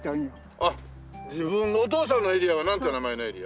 自分のお父さんのエリアはなんて名前のエリア？